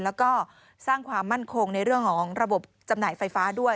แล้วก็สร้างความมั่นคงในเรื่องของระบบจำหน่ายไฟฟ้าด้วย